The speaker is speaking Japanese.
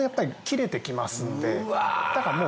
だからもう。